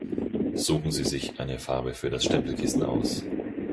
Suchen Sie sich eine Farbe für das Stempelkissen aus.